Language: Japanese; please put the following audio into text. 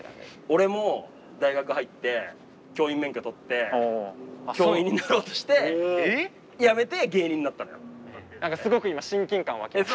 俺も大学入って教員免許取って教員になろうとしてやめて芸人になったのよ。